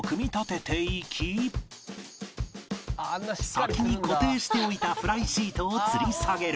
先に固定しておいたフライシートをつり下げる